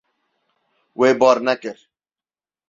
Wê bar nekir.